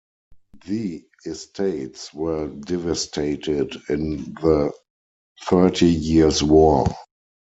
The estates were devastated in the Thirty Years' War.